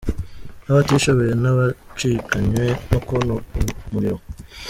N’abatishoboye ntabacikanywe no kubona umuriro